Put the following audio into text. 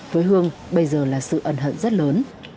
quế hương bây giờ là sự ẩn hận rất lớn